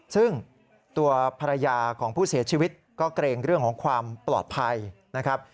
ซึ่งตัวภรรยาของผู้เสียชีวิตก็เกรงเรื่องของความปลอดภัยนะครับ